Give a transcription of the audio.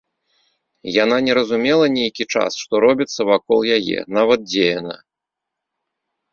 Яна не разумела нейкі час, што робіцца вакол яе, нават дзе яна.